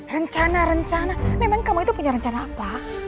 rencana rencana memang kamu itu punya rencana apa